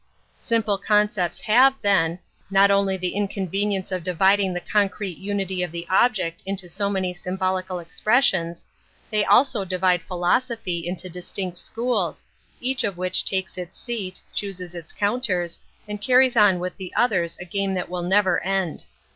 Himple concepts have, then, not only the incon Metaphysics 21 venience of dividing the concrete unity of the object into so many symbolical expres sions; they also divide philosophy into dis tinct schools, each of which takes its seat, chooses its counters, and carries on with the others a game that will never end.